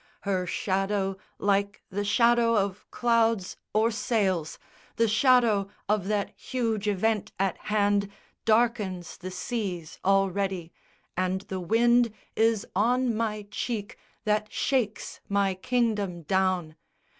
Her shadow like the shadow of clouds or sails, The shadow of that huge event at hand, Darkens the seas already, and the wind Is on my cheek that shakes my kingdom down.